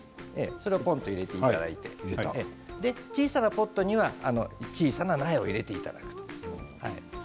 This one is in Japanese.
それをぽんと入れていただいて小さなポットには小さな苗を入れていただく。